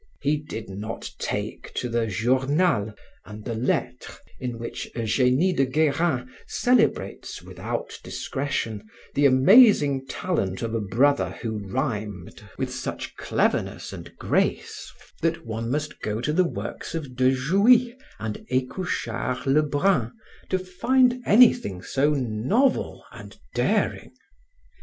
He did not take to the Journal and the Lettres in which Eugenie de Guerin celebrates, without discretion, the amazing talent of a brother who rhymed, with such cleverness and grace that one must go to the works of de Jouy and Ecouchard Lebrun to find anything so novel and daring.